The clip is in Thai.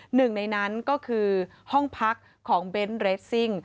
หนึ่งในนั้นก็คือห้องพักของเบนท์เรสซิ่ง